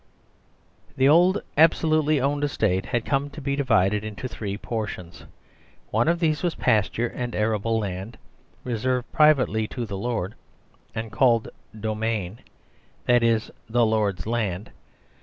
The old absolutely owned estate had come to be divided into three portions. One of these was pasture and arable land, reserved privately to the lord, and 44 THE SERVILE DISSOLVED called domain : that is, lord's land.